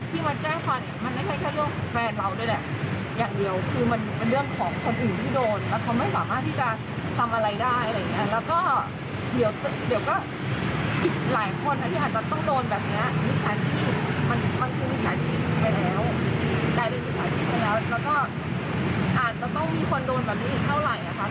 แล้วกลายเป็นมิจฉาชีพแล้วแล้วก็อาจจะต้องมีคนโดนแบบนี้อีกเท่าไหร่